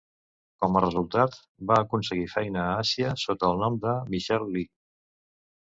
Com a resultat, va aconseguir feina a Àsia sota el nom de "Michelle Lee".